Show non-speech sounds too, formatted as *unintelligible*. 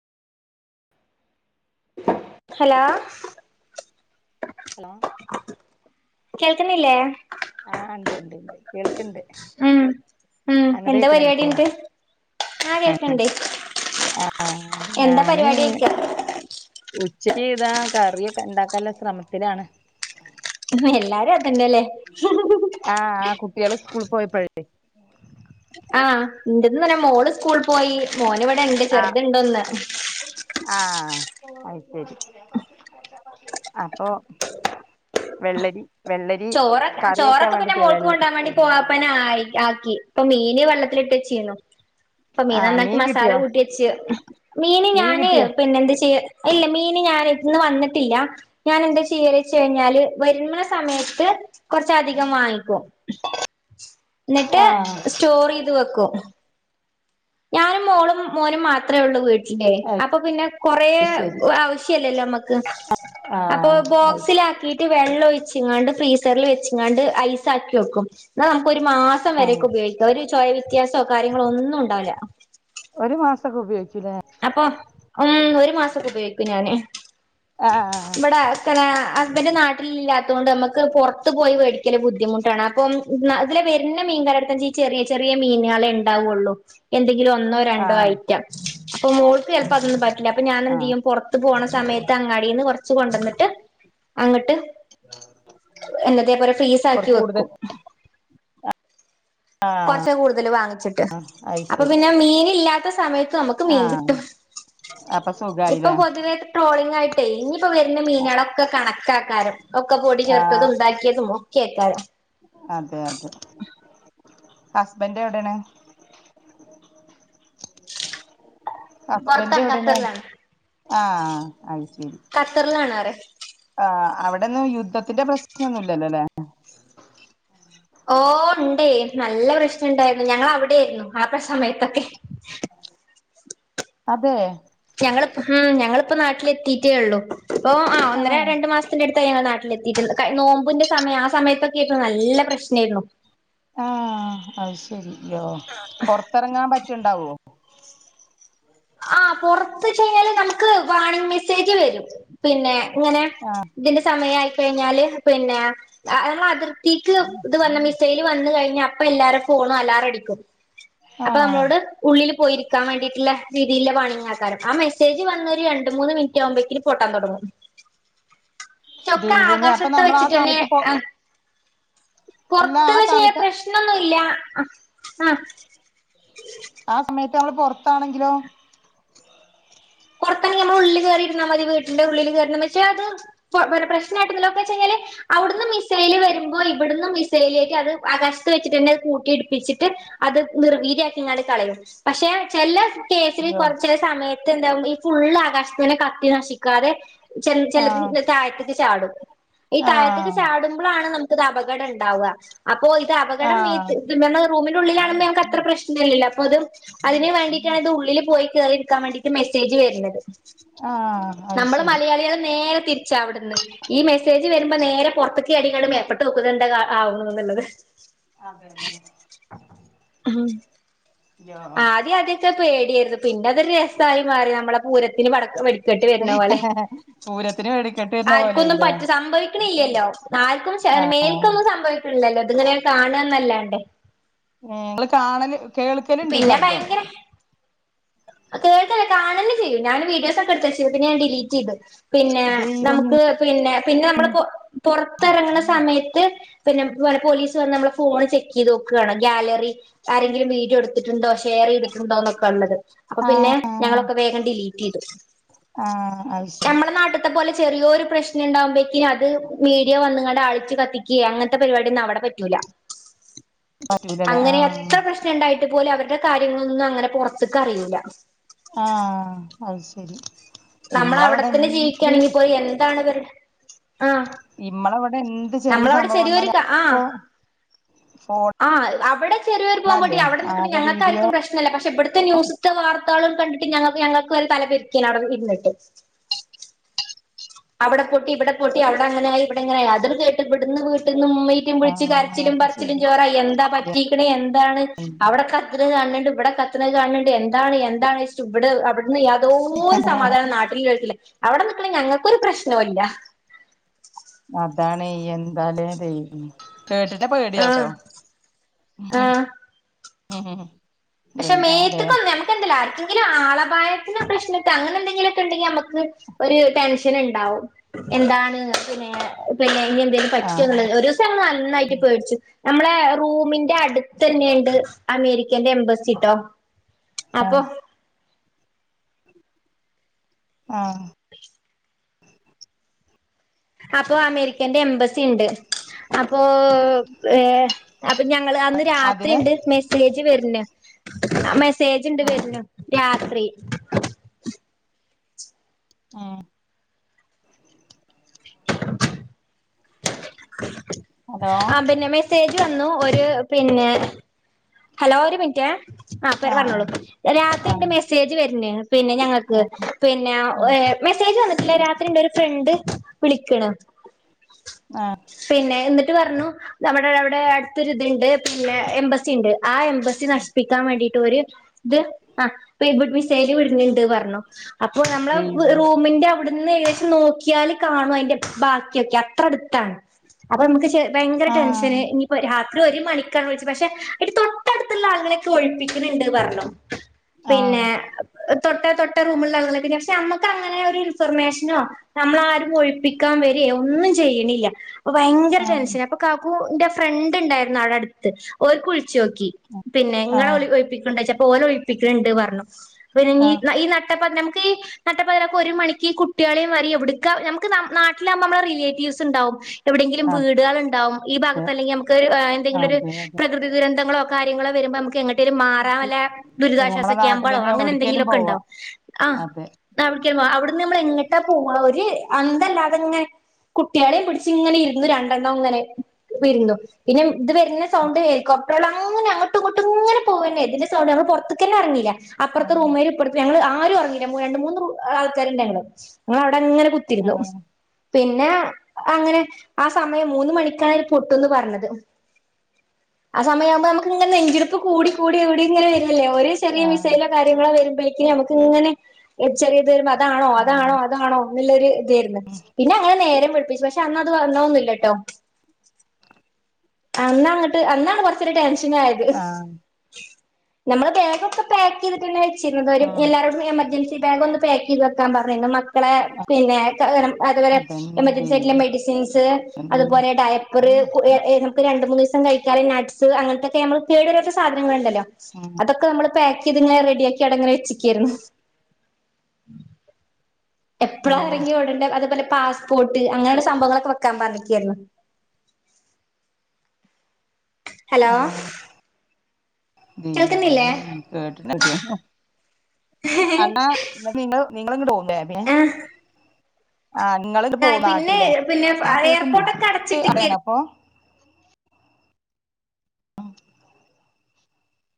Hello? Hello? കേൾക്ക്ണില്ലേ? ആഹ് ഇണ്ട് ഇണ്ട് ണ്ട് കേൾക്ക്ണ്ട് ഉം ഉം അങ്ങട്ട് എന്താ പരിപാടി കേക്ക്ണില്ലേ നട്ട് ആഹ് കേൾക്ണ്ട് ആഹ് ഞാന് എന്താപരിപാടിഒയിക്ക ഉച്ചക്ക് ഇതാ കറിയൊക്കെ ഇണ്ടാക്കാല്ലെ ശ്രമത്തിലാണ് എല്ലാരും അതന്നെല്ലേ ആഹ് കുട്ട്യാള് സ്കൂള് പോയപ്പോഴെ ആഹ് ഇൻ്റതും തന്നെ മോള് സ്കൂൾ പോയി മോന് ഇവിടെ ഇണ്ട് ആഹ് ചെറുത് ഇണ്ടോന്ന് ആഹ് അത് ശരി അപ്പൊ വെള്ളരി വെള്ളരി ചോറ് കറി വെക്കാൻ ചോറൊക്കെ പിന്നെ വേണ്ടിട്ടേ മോൾക്ക് വെള്ള കൊണ്ടാൻ വാണ്ടി പോവാപ്പനെ ആയി ആക്കി ഇപ്പൊ മീനി വെള്ളത്തിലിട്ട് വെച്ചിനു അപ്പൊ മീൻ ആഹ് നന്നാക്കി മസാല കിട്ടിയോ കൂട്ടി വെച്ച് മീന് മീൻ ഞാന് കിട്ടിയോ പിന്നെ എന്ത് ചെയ്യ ഇല്ല മീന് ഞാൻ ഇന്ന് വന്നിട്ടില്ല ഞാൻ എന്താ ചെയീല് ച്ച് കഴിഞ്ഞാല് വരുന സമയ ത്ത് കൊറച്ചധികം വാങ്ങിക്കും ന്നട്ട് ആഹ് സ്റ്റോർ യ്ത് വെക്കും. ഞാനും മോളും മോനും മാത്ര ഒള്ളൂ വീട്ടിൽ. ല്ലേ അത് അപ്പൊ പിന്നെ കൊറ ശരി ആവശ്യല്ലല്ലോ നമ്മക്ക് അപ്പോ ആഹ് അത് ബോക്സിലാക്കി ട്ട് വെള്ള ഒഴിച്ചിങ്ങാണ്ട് ഫ്രീസറിൽ വെച്ചങ്ങാണ്ട് ഐസാക്കി വെക്കും എന്ന നമുക്ക് ഒരു മാസം. ക്കെ ആഹ് വരെക്കെ ഉപയോഗിക്ക ഒരു ചോയ വ്യത്യാസൊ കാര്യങ്ങളോ ഒന്നും ഉണ്ടാല്ല. ഒരു മാസൊക്കെ ഉപയോഗിക്കുല്ലേ അപ്പൊ ഉം ഒരു മാസൊക്കെ ഉപയോഗിക്കും ഞാന് ആഹ് ഇവിടാ ഹസ്ബൻഡ് നാട്ടിൽ ഇല്ലാത്തൊണ്ട് നമക്ക് പൊറത്ത് പോയി മേടിക്കല് ബുദ്ധിമുട്ടാണ്. അപ്പം ഇതിലെ വരുന്ന മീൻ കാരെ അടുത് ഈ ചെറിയ ചെറിയ മീനുകളെണ്ടാവൊള്ളൂ. എന്തെങ്കിലും ഒന്നോ രണ്ടോ ആഹ് ഐറ്റം അപ്പൊ മോൾക്ക് ചെലപ്പോ അതൊന്നും പറ്റില്ല അപ്പൊ ഞാനെ എന്ത് ആഹ് ചെയ്യും പൊ ത്ത് പോണ സമയത്ത് അങ്ങാടിന്ന് കൊറച്ച് കൊണ്ടന്നിട്ട് അങ്ങട്ട് എന്നത്തെ പോലെ ഫീസ് കൊറ ആക്കി കൂടുതൽ വെക്കും കൊറച്ച് കൂടുതൽ വാങ്ങിച്ചിട്ട് അത് അപ്പൊ ശരി പിന്നെ മീൻ ഇല്ലാത്ത സമയത്ത് നമുക്ക് മീൻ ആഹ് കിട്ടും. അപ്പൊ സുഖായിലേ ട്രോളിംഗ ആയിട്ട് ഇഞ്ഞിപ്പോ വരുന്ന മീനൊളൊക്കെ കണക്കാകരം ഒക്കെ പൊടി ചേർത്തതും ആഹ് ഉണ്ടാക്കിയതും ഒക്കെ ആക്കാരം അതെ അതെ ഹസ്ബൻഡ് എവിടെയാണ് ഹസ്ബൻറ് പുറത്താണ് എവിടേണ് ഖത്തറിലാണ് ആഹ് അത് ശരി ഖത്തറിലാണ്റിയെ ആഹ് അവിടോന്നും യുദ്ധത്തിന്റെ പ്രശ്നം ഒന്നും ഇല്ലൊലലേ ഓ ഉണ്ടേ നല്ല പ്രശ്നംഉണ്ടായിരുന്നു ഞങ്ങൾ അവിടെ ആയിരുന്നു ആ സമയത്തൊക്കെ അതെ ഞങ്ങളി ഉം ങ്ങളിപ്പ നാട്ടിലെത്തിട്ടേ ഒള്ളു. അപ്പൊ ആഹ് ഒന്നര രണ്ടു മാസം ത്തിടുത്ത ഞങ്ങൾ നാട്ടിലെത്തിയിട്ടൊള്ളു നോമ്പിന്റെ സമയം ആ സമയത്തൊക്കെ നല്ല പ്രശ്നായിരുന്നു. ആഹ് അത് ശരി യൊ പൊറത്തിറങ്ങാൻ പറ്റ്ണ്ടാവോ? ആഹ് പൊറത്ത്ച്ച് കഴിഞ്ഞാല് നമുക്ക് വാണിംഗ് മെസ്സേജ് വരും. പിന്നെ ഇങ്ങനെ ആഹ് ഇതിന്റെ സമയയിക്കഴിഞ്ഞാല് പിന്നെ ആഹ് നമ്മളെ അതിർത്തിക്ക് ഇത് വന്ന മിസൈൽ വന്ന് കഴിഞ്ഞ അപ്പ എല്ലാര ഫോണും അലാറ അടിക്കും. അപ്പൊ ആഹ് നമ്മളോട് ഉള്ളില് പോയിരിക്കാൻ വേണ്ടീട്ടിള്ള *unintelligible* പണിയുന്ന ആൾക്കാരും ആ മെസ്സേജ് വന്നൊരു രണ്ട്, മൂന്ന് മിനിറ്റ് ആകുമ്പോക്കിനു പൊട്ടാൻ തൊടങ്ങും പക്ഷെ ഒക്കെ ദൈവമേ അപ്പൊ ആകാശത്ത് നമ്മൾ ആ വെച്ചിട്ടന്നെ സമയത്ത് പോ ആഹ് അല്ല പൊറത്ത് ആ പക്ഷേ സമയത്ത് പ്രശ്നൊന്നുല്ല്യാ ആഹ് ആഹ് ആ സമയത്ത് നമ്മള് പൊറത്താണെങ്കിലോ പൊറത്താണെങ്കി നമ്മള് ഉള്ളില് കേറി രുന്നാ മതി വീട്ടിന്റെ ഉള്ളില് കേറി നിന്നാ പക്ഷേ അത് പ പ്ര പ്രശ്നായിട്ട് എന്തല്ലോക്കെ ചെയ്യല് അവിടുന്ന് മിസൈല് വരുമ്പോ ഇവിട്ന്ന് മിസൈലേറ്റിഅത് ആകാശത്ത് വച്ചിട്ട് തന്നെത് കൂട്ടിയിടിപ്പിച്ചിട്ട് അത് നിർവീര്യാക്കി ങ്ങാട് കളയും പക്ഷെ ചെല കേസില് അയ്യോ കൊറച്ച് സമയത്ത് എന്താ ഈ ഫുള്ള് ആകാശത്തന്നെ കത്തി നശിക്കാതെ ചെൽ ചെലത് ആഹ് നെ താഴ്ത്ത്ക്ക് ചാടും ഈ താഴ്ത്തക്ക് ആഹ് ചാടുമ്പഴാണ് നമുക്ക് ഇത് അപകടം ഇണ്ടാവുക അപ്പൊ ഇത് അപകടം ആഹ് മീത് ഇത് മേന്ന് റൂമിന്റെ ഉള്ളിലാണുമ്പോ ഞമ്മക്ക് അത്ര പ്രശ്നുല്ലല്ല അപ്പൊത് അതിന് വേണ്ടി ക്കത് ഇത് ഉള്ളില് പോയിട്ട് കേറി എടുക്കാൻ വേണ്ടിട്ട് മെസ്സേജ് വെരുന്നത് ആഹ് അത് നമ്മള് ശരി മലയാളികള് നേരെ തിരിച്ചാ അവിടുന്ന് ഈ മെസ്സേജ് വരുമ്പോ നേരെ പുറത്ത്ക്ക് ചാടി ങ്ങള് മേപ്പട്ട് നോക്കുന്നണ്ട് എന്തക്ക ആ ആകുന്നു എന്നുള്ളത് അതെന്നെ *unintelligible* പക്ഷെ പേടിയാരുന്നു പിന്ന അതൊരു രസായി മാറി നമ്മളെ പൂരത്തിന് വടക്ക് വെടി ക്കെട്ട് വെരുന്ന പോലെ പൂരത്തിന് വെടിക്കെട്ട് വരുന്ന ആർക്കൊന്നും പോലെയില്ലേ പറ്റി സംഭവിക്കണില്ല്യല്ലോ ആർക്കും ചേ ആഹ് മേൽക്കൊന്നും സംഭവിക്കില്ലല്ലോ ഇതുങ്ങനെ കാണന്നല്ലാണ്ടേ ഏഹ് നമ്മള് കാണല് കേൾക്കല്ണ്ട് പിന്നെ ശബ്ദം കേൾക്കേല്ല കാണന്നെ ചെയ്യും ഞാന് വീഡിയോസൊക്കെ എടുത്തവച്ചു പിന്നെ ഞാൻ ഡിലീറ്റെയ്ത് പിന്നെ ദൈവമേ നമുക്ക് പിന്നെ പിന്നെ നമ്മള് പൊ പൊറത്തെറങ്ങണ സമയത്ത് പിന്നെ വല്ല പോലീസ് വന്ന് നമ്മളെ ഫോണ് ചെക്ക് ചെയ്ത് നോക്കുകാണ് ഗാലറി ആരെങ്കിലും വീഡിയോ എടുത്തിട്ടുണ്ടോ ഷെയറെ യ്തിട്ടുണ്ടോന്നൊക്കെള്ളത് അപ്പൊ പിന്നെ ആഹ് ഞങ്ങളൊക്കെ വേഗം ഡിലീറ്റെയ്തു ആഹ് അത് ശരി ത്തെപോലെ ചെറിയൊരു പ്രശ്നുണ്ടാകുംപേക്ക് അത് മീഡിയ വന്നുങ്ങാണ്ട ആളിച്ച് കത്തിക്കുക അങ്ങത്തെ പരിപാടി ഒന്നവടെ പറ്റു റ്റൂല്ല പറ്റൂലല്ലേ അങ്ങനെ എത്ര ആഹ് പ്രശ് നുണ്ടായിട്ട് പോലും അവരുടെ കാര്യങ്ങളൊന്നും അങ്ങനെ പൊറത്ത്ക്ക് അറിയൂല്ല ആഹ് അത് ശരി ഇമ്മളവിടെ നമ്മളവിടെത്തന്നെ ജീവിക്കാണെങ്കി പോലും എന്താണ് ഇവരുടെ ആഹ് ഇമ്മളവിടെ എന്ത് ചെറിയ നമ്മളവിടെ സംഭവം ചെറിയൊരു വന്നാലു ആഹ് അപ്പൊ ആഹ് അവിടെ ചെറിയൊരു ബോംബ് പൊട്ടി ഫോണല്ലേ അവിടെ നിക്കണ ആകെ വീഡിയോ ഞങ്ങക്കാരിക്കും പ്രശ് ന്നുല്ല പക്ഷെ ഇവിടുത്തെ ന്യൂസത്തെ വാർത്തകള് കണ്ടിട്ട് ഞങ്ങൾക്ക് ഞങ്ങൾക്ക് വരെ തല പെരിക്കലാ അവിടെ ഇരിന്നിട്ട് അവിട പൊട്ടി ഇവിട പൊട്ടി അവിട അങ്ങനെയായി ഇവിടെ ഇങ്ങനെയായി അതുംകേട്ട് ഇവിടന്ന് വീട്ട്ന്ന് ഉമ്മയും യും വിളിച്ച് ആഹ് കരച്ചിലും അത് പറിച്ചിലും ശരി ജോറായി എന്താ പറ്റീക്കണേ എന്താണ് അവിടക്ക *unintelligible* കാണണ്ണ്ട്ഇവിടെ കത്തണത് കാണണ്ണ്ട് എന്താണ് എന്താണ് സ് ഇവടെ അവ ഇന്ന് യാതോരു സമാധാനം നാട്ടിലുള്ളോർക്കില്ല അവിട നിക്കണ ഞങ്ങക്കൊരു പ്രശ്നോംല്ല അതാണേയ് എന്താല്ലേ ദൈവമേ കേട്ടിട്ട് ആഹ് പേടിയാവുട്ടോ ആഹ് *inaudible* പക്ഷെ എന്താലേ മേത്തക്കൊന്നും നമുക്ക് എന്തല്ലാ ആർക്കെങ്കിലും ആളപായത്തിന് പ്രശ്നട്ട് അങ്ങനെ എന്തെിലൊക്കെ ഇണ്ടെങ്കി നമ്മക്ക് ഒരു ടെൻഷനിണ്ടാവും എന്താണ് പിന്നെ പിന്നെ ഇനി എന്തേങ്കിലും പറ്റിയോ ആഹ് ന്നുള്ളത് ഒരു ഇത്തവണ നന്നായിട്ട് പേടിച്ചു നമ്മളെ റൂമിന്റെ അടുത്തന്നെണ്ട് അമേരിക്കേന്റെ എംബസി സിട്ടോ അപ്പൊ ആഹ് ആഹ് അപ്പോ അമേരിക്കെന്റെ എംബസിണ്ട് അപ്പോ ഏഹ് അപ്പൊ ഞങ്ങള് അന്ന് രാത്രി അതിന് ഇണ്ട് മെസ്സേജ് വെരണ് ആ മെസ്സേജ് ഇണ്ട് ഉം വെര്ണ് രാത്രി ഏഹ് *inaudible* ഹലോ ആഹ് പിന്നെ മെസ്സേജ് വന്നു ഒര് പിന്നെ ഹലോ ഒരു മിനിറ്റേ ആഹ് പേര് പറഞ്ഞോളൂ രാത്രി ഇണ്ട് ആഹ് മെസ്സേജ് വരണ് പിന്നെ ഞങ്ങക്ക് ആഹ് പിന്നെ ആഹ് ഏഹ് മെസ്സേജ് വന്നിട്ടില്ല രാത്രി ഇന്റൊര് ഫ്രണ്ട് വിളിക്കണ്. ആഹ് പിന്നെ എന്നിട്ട് പറഞ്ഞു നമ്മടെ അവിടെ അടുത്തൊരിതിണ്ട് പിന്നെ എംബസി ഇണ്ട്. ആ എംബസി നശിപ്പിക്കാൻ വേണ്ടീ ട്ടൊര് ഇത് ആഹ് ബെ ഇവിട് മിസൈല് വിട്ണെണ്ട് പറഞ്ഞു. അപ്പോ നമ്മള ദൈവം റൂമിന്റെ അവിടു ന്ന് ഏകദേശം നോക്കിയാല് കാണും അയ്ന്റെ ബാക്കിയൊക്കെ അത്ര അടുത്താണ്. അപ്പൊ നമുക്ക് ശെ ഭയങ്കര ആഹ് ടെൻഷന് ഇനിയിപ്പോ രാത്രി ഒരു മണിക്കാണ് വിളിച്ചത് പക്ഷെ എന്നിട്ട് തൊട്ടടുത്തുള്ള ആളുകളേക്കെ ഒഴിപ്പി‌ക്കിണിണ്ട് പറഞ്ഞു പിന്നേ ആഹ് തൊട്ടേ തൊട്ടേ റൂമിലാളുകള് പിന്നെ പക്ഷെ നമ്മുക്കങ്ങനെ ഒരു ഇൻഫർമേഷനോ നമ്മളാരും ഒഴിപ്പിക്കാൻ വരേ ഒന്നും ചെയ്യണില്ല അപ്പ ഭയങ്കര ആഹ് ടെൻഷന അപ്പൊ കാക്കൂന്റെ ഫ്രണ്ട് ഇണ്ടായിരുന്ന് അവടടുത്ത് ഓൽക്ക് വിളിച്ചോ‌ ക്കി പിന്നെ ഇങ്ങളെ ആഹ് ഒലി ഒഴിപ്പിക്കണണ്ടോച്ചപ്പൊ ഓലെ ഒഴിപ്പിക്കണെണ്ട് പറഞ്ഞു പിനെന്നീ ആഹ് ന ഈ നട്ടപ്പാതിര നമുക്കീ നട്ടപ്പാതിരാക്ക് ഒരു മണിക്ക് കുട്ടികളെയും വാരി എവിടക്കാ ഞമുക്ക് നം നാട്ടിലാകുമ്പോ നമ്മടെ റിലേറ്റീവ്സിണ്ടാവും. എവിടെങ്കിലും വീടുകളെണ്ടാവും ഈ അതെ ഭാഗത്തല്ലെങ്കി നമുക്ക് ഏഹ് എന്തെങ്കിലൊര് അതെ പ്ര അതെ ദുരന്തങ്ങളോ കാര്യങ്ങളോ വരുമ്പൊ നമുക്കെങ്ങ ട്ടേലും മാറാൻല്ല ദുരിതാശ്വാസ നമ്മളെ ക്യാമ്പളോ നാട്ടിലെന്നെ അങ്ങനെ എവിടക്കേലും എന്തെങ്കിലൊക്കെ പോവാ ഇണ്ടാവും ആഹ് അതെ ന്നവിട്ക്കുമ്മ അവിടുന്ന് നമ്മള് എങ്ങട്ടാ പോവാ ഒര് അന്തല്ലാതിങ്ങനെ കുട്ടികളെയും പിടിച്ചിങ്ങനെ ഇരുന്നു രണ്ടണ്ണോം ഇങ്ങനെ ഇരുന്നു പിന്നെ ഇത് വരുന്ന സൗണ്ട് കേൾക്കും ഇവിടൊള്ള അങ്ങനെ അങ്ങട്ടും ഇങ്ങട്ടും ഇങ്ങനെ പോവന്നേ ഇതിന്റെ സൗണ്ട് ഞങ്ങള് പൊറത്തിക്കന്നെ ഇറങ്ങയില്ല അപ്പറത്ത ആഹ് റൂമ്മാര് അപ്പറത്ത് ഞങ്ങള് ആരും ഒറങ്ങിയില്ല മൂ രണ്ട് മൂന്ന് റൂം ആൾക്കാരിണ്ട് ഞങ്ങള് ഞങ്ങളവിടങ്ങനെ കുത്തിരുന്നു ആഹ് പിന്നാ അങ്ങനെ ആ സമയം മൂന്ന് മണിക്കാണ് ഇത് പൊട്ടൂന്ന് പറഞ്ഞത് ആ സമയാവുമ്പൊ നമു‌ക്കിങ്ങനെ നെഞ്ചിടിപ്പ് കൂടി കൂടി കൂടി ഇങ്ങനെ വര്കല്ലേ ഒര് ചെറിയ ആഹ് മിസൈലൊ കാര്യങ്ങളാ വരുമ്പഴേക്ക് നമു‌ക്കിങ്ങനെ ചെറിയത് വരുമ്പോ അതാണോ അതാണോ ആഹ് അതാണോ എന്നിള്ളൊര് ഇതേര്ന്ന് പിന്നെ അങ്ങനെ നേരം വെളിപ്പിച്ച് പക്ഷെ അന്നത് വന്നോന്നും ഇല്ലട്ടൊ അന്നങ്ങട്ട് അന്നാണ് കൊറച്ചൊര് ടെൻഷനായത്. ആഹ് നമ്മള് ബേഗൊക്കെ പാക്ക് ചെയ്തിട്ടന്നെ വെച്ചിരുന്നത് അവര് ആഹ് എല്ലാരോടും എമർജൻ സി ബാഗ് ഒന്ന് പാക്ക് ചെയ്ത് വെക്കാൻ പറഞ്ഞിരുന്നു മക്കളെ പിന്നെ *unintelligible* അതുവരെ അതന്നെ എമർജൻസി ആയിട്ടുള്ള ദൈവമേ മെഡിസിൻസ് അതുപോലെ ഡയപ്പറ് ഉം *unintelligible* രണ്ട് മൂന്ന് ദിവസം കഴിക്കാള്ള നട്സ് അങ്ങനത്തക്കെ നമ്മള് കേടു വരാത്ത സധനങ്ങളിണ്ടല്ലോ ഉം അതൊക്കെ നമ്മള് പാക്ക് ചെയ്തിങ്ങനെ റെഡിയാക്കി അവിടിങ്ങനെ വെച്ചെക്കേയിരുന്ന് എപ്പഴാ എറങ്ങി ഓടണ്ട അതുപോലെ പാസ്പോർട്ട് അങ്ങനെയുള്ള സംഭവങ്ങളൊക്കെ വെക്കാൻ പറഞ്ഞിക്കായിരുന്നു ഹലോ ഉം കേൾക്കുന്നില്ലേ ദൈവമേ *unintelligible* അന്ന നിങ്ങള് നിങ്ങളിങ്ങട് പോന്നു ബേ ബെ ആഹ് ആഹ് നിങ്ങളിണ് പിന്നെ പോനാട്ടീലെ പിന്നെ ആഹ് കേൾ‌ക്കിണ്ട്. എയർപോർട്ടൊക്കെ *unintelligible* അടച്ചിട്ടിക്കായിരുന്നു അറിയണോ ഇപ്പൊ